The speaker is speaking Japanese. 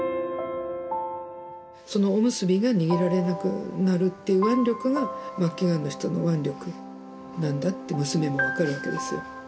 そのおむすびが握られなくなるっていう腕力が末期がんの人の腕力なんだって娘も分かるわけですよ。